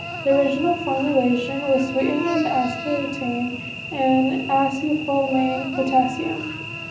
The original formulation was sweetened with aspartame and acesulfame potassium.